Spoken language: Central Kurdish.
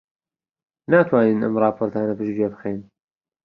ناتوانین ئەم ڕاپۆرتانە پشتگوێ بخەین.